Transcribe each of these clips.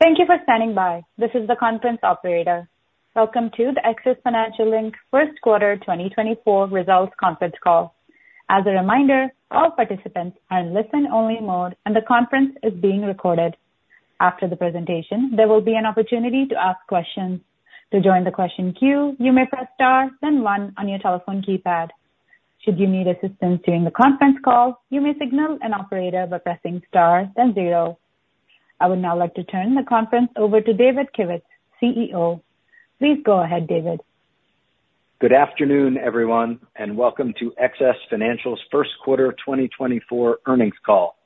Thank you for standing by. This is the conference operator. Welcome to the XS Financial Inc first quarter 2024 results conference call. As a reminder, all participants are in listen-only mode, and the conference is being recorded. After the presentation, there will be an opportunity to ask questions. To join the question queue, you may press star, then one on your telephone keypad. Should you need assistance during the conference call, you may signal an operator by pressing star, then zero. I would now like to turn the conference over to David Kivitz, CEO. Please go ahead, David. Good afternoon, everyone, and welcome to XS Financial's First Quarter 2024 Earnings Call.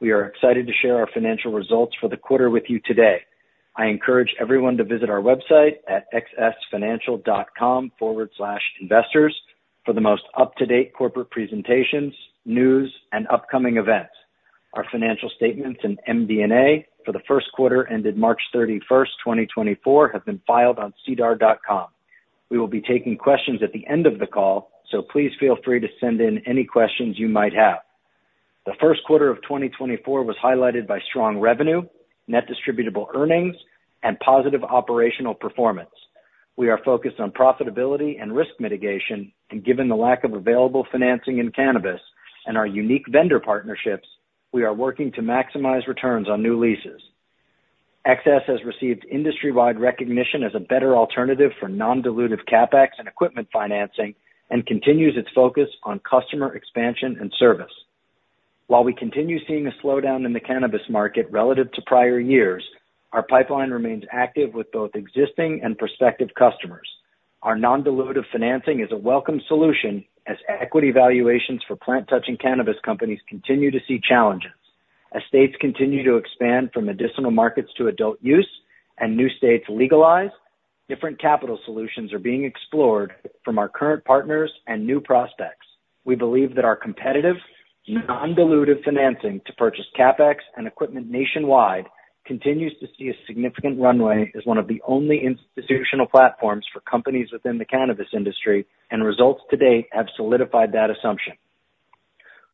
We are excited to share our financial results for the quarter with you today. I encourage everyone to visit our website at xsfinancial.com/investors for the most up-to-date corporate presentations, news, and upcoming events. Our financial statements and MD&A for the first quarter ended March 31, 2024, have been filed on SEDAR.com. We will be taking questions at the end of the call, so please feel free to send in any questions you might have. The first quarter of 2024 was highlighted by strong revenue, net distributable earnings, and positive operational performance. We are focused on profitability and risk mitigation, and given the lack of available financing in cannabis and our unique vendor partnerships, we are working to maximize returns on new leases. XS has received industry-wide recognition as a better alternative for non-dilutive CapEx and equipment financing and continues its focus on customer expansion and service. While we continue seeing a slowdown in the cannabis market relative to prior years, our pipeline remains active with both existing and prospective customers. Our non-dilutive financing is a welcome solution as equity valuations for plant-touching cannabis companies continue to see challenges. As states continue to expand from medicinal markets to adult use and new states legalize, different capital solutions are being explored from our current partners and new prospects. We believe that our competitive, non-dilutive financing to purchase CapEx and equipment nationwide continues to see a significant runway as one of the only institutional platforms for companies within the cannabis industry, and results to date have solidified that assumption.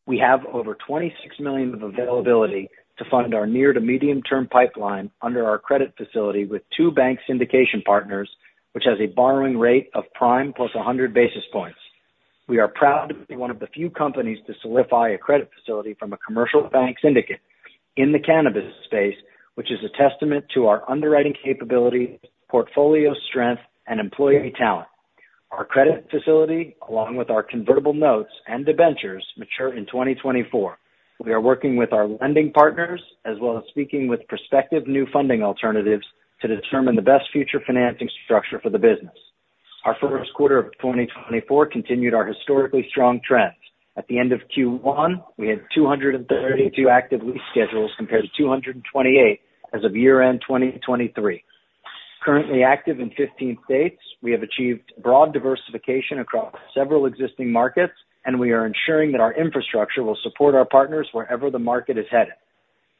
We have over $26 million of availability to fund our near-to-medium-term pipeline under our credit facility with two bank syndication partners, which has a borrowing rate of prime plus 100 basis points. We are proud to be one of the few companies to solidify a credit facility from a commercial bank syndicate in the cannabis space, which is a testament to our underwriting capability, portfolio strength, and employee talent. Our credit facility, along with our convertible notes and debentures, mature in 2024. We are working with our lending partners as well as speaking with prospective new funding alternatives to determine the best future financing structure for the business. Our first quarter of 2024 continued our historically strong trends. At the end of Q1, we had 232 active lease schedules compared to 228 as of year-end 2023. Currently active in 15 states, we have achieved broad diversification across several existing markets, and we are ensuring that our infrastructure will support our partners wherever the market is headed.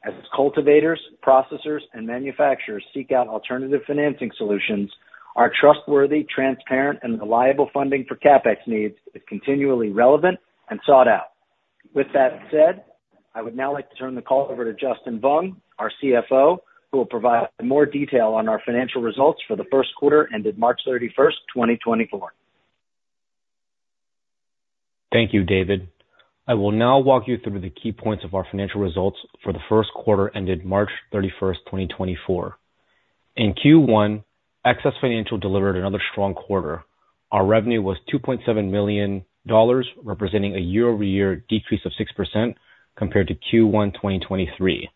As cultivators, processors, and manufacturers seek out alternative financing solutions, our trustworthy, transparent, and reliable funding for CapEx needs is continually relevant and sought out. With that said, I would now like to turn the call over to Justin Vuong, our CFO, who will provide more detail on our financial results for the first quarter ended March 31, 2024. Thank you, David. I will now walk you through the key points of our financial results for the first quarter ended March 31, 2024. In Q1, XS Financial delivered another strong quarter. Our revenue was $2.7 million, representing a year-over-year decrease of 6% compared to Q1 2023.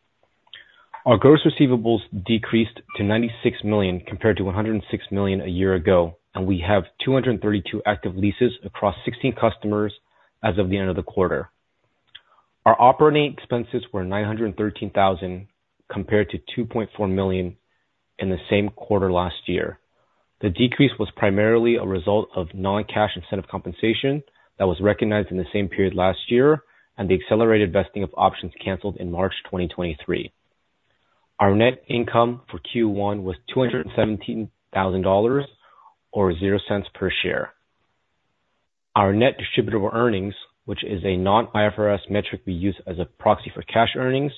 Our gross receivables decreased to $96 million compared to $106 million a year ago, and we have 232 active leases across 16 customers as of the end of the quarter. Our operating expenses were $913,000 compared to $2.4 million in the same quarter last year. The decrease was primarily a result of non-cash incentive compensation that was recognized in the same period last year and the accelerated vesting of options canceled in March 2023. Our net income for Q1 was $217,000 or 0 cents per share. Our net distributable earnings, which is a non-IFRS metric we use as a proxy for cash earnings,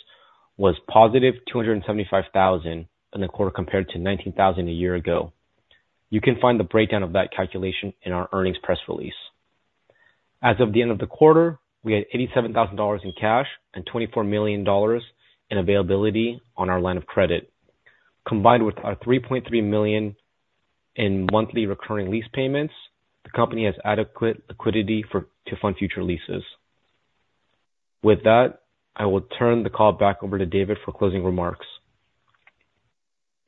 was positive $275,000 in the quarter compared to $19,000 a year ago. You can find the breakdown of that calculation in our earnings press release. As of the end of the quarter, we had $87,000 in cash and $24 million in availability on our line of credit. Combined with our $3.3 million in monthly recurring lease payments, the company has adequate liquidity to fund future leases. With that, I will turn the call back over to David for closing remarks.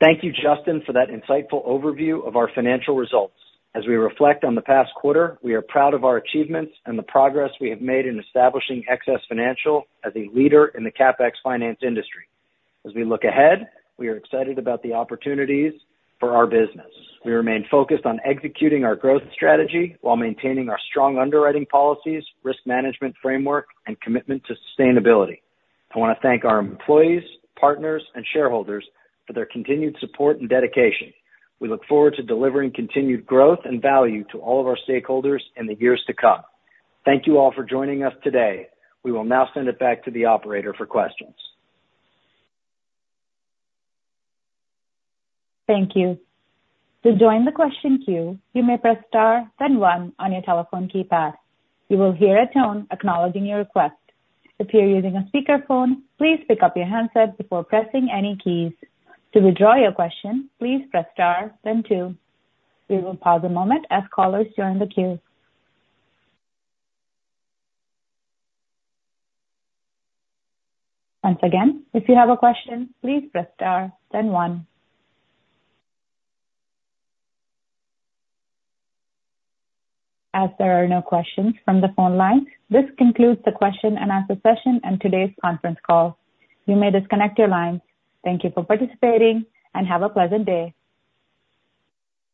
Thank you, Justin, for that insightful overview of our financial results. As we reflect on the past quarter, we are proud of our achievements and the progress we have made in establishing XS Financial as a leader in the CapEx finance industry. As we look ahead, we are excited about the opportunities for our business. We remain focused on executing our growth strategy while maintaining our strong underwriting policies, risk management framework, and commitment to sustainability. I want to thank our employees, partners, and shareholders for their continued support and dedication. We look forward to delivering continued growth and value to all of our stakeholders in the years to come. Thank you all for joining us today. We will now send it back to the operator for questions. Thank you. To join the question queue, you may press star, then 1 on your telephone keypad. You will hear a tone acknowledging your request. If you're using a speakerphone, please pick up your handset before pressing any keys. To withdraw your question, please press star, then two. We will pause a moment as callers join the queue. Once again, if you have a question, please press star, then one. As there are no questions from the phone line, this concludes the question and answer session and today's conference call. You may disconnect your lines. Thank you for participating, and have a pleasant day.